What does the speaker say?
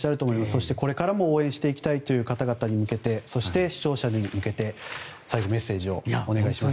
そして、これからも応援していきたいという方々に向けてそして、視聴者に向けて最後メッセージをお願いします。